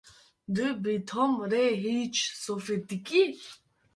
Tu bi Tom re hîç sorfê dikî?